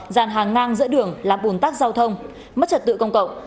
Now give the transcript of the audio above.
dàn hàng ngang giữa đường làm bùn tác giao thông mất trật tự công cộng